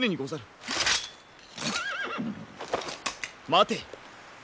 待て。